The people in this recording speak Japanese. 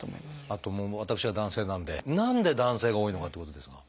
あと私は男性なので何で男性が多いのかっていうことですが。